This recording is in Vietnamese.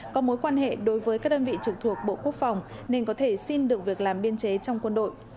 có mối quan hệ đối với các đơn vị trực thuộc bộ quốc phòng nên có thể xin được việc làm biên chế trong quân đội